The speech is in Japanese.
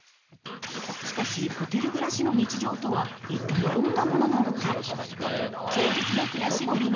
しかしホテル暮らしの日常とは一体どんなものなのか？